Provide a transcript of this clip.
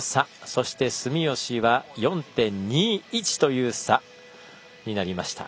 そして住吉は４．２１という差になりました。